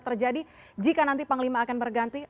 terjadi jika nanti panglima akan berganti